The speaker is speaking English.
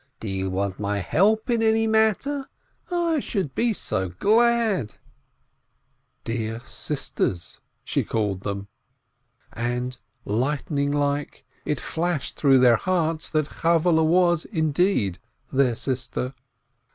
Do you want my help in any matter ? I should be so glad " "Dear sisters" she called them, and lightning like it flashed through their hearts that Chavveh was, indeed, their sister.